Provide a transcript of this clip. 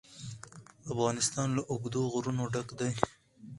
افغانستان له اوږده غرونه ډک دی.